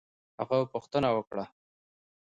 هغه پوښتنه وکړه